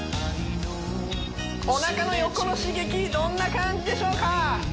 おなかの横の刺激どんな感じでしょうか？